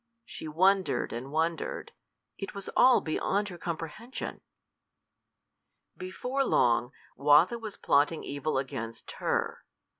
She wondered and wondered; it was all beyond her comprehension. Before long, Watho was plotting evil against her.